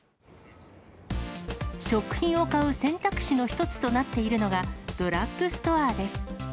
食品を買う選択肢の一つとなっているのが、ドラッグストアです。